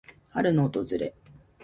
春の訪れ。